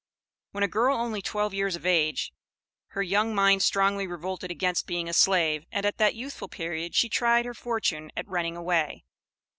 When a girl only twelve years of age, her young mind strongly revolted against being a slave, and at that youthful period she tried her fortune at running away.